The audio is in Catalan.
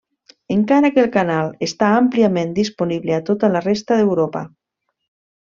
Encara que el canal està àmpliament disponible a tota la resta d'Europa.